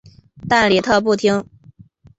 但李特不听。